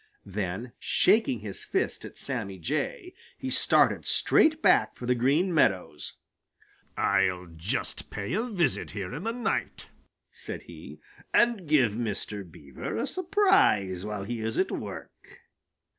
Then, shaking his fist at Sammy Jay, he started straight back for the Green Meadows. "I'll just pay a visit here in the night," said he, "and give Mr. Beaver a surprise while he is at work."